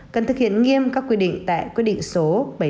cần thực hiện nghiêm các quy định tại quyết định số bảy mươi tám hai nghìn bảy